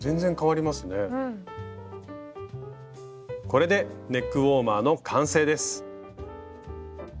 これでネックウォーマーの完成です。